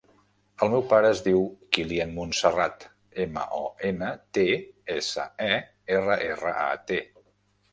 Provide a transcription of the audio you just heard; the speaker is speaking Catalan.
El meu pare es diu Kilian Montserrat: ema, o, ena, te, essa, e, erra, erra, a, te.